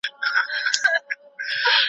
تېروتنې باید تکرار نسي.